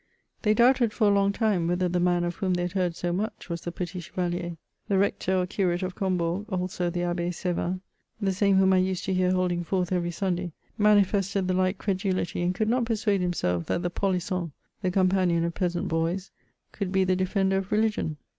They doubted for a long time, whether the man of whom they had heard so much was the " Petit Cherafier.'' The rector or curate of Combourg, also the Abb^ S^vin, the same whom I nsed to hear holding forth every Sunday, manifested the like credulity, and could not persuade himself that the " polisson/' the companion of peasant boys, could be the defender of religion.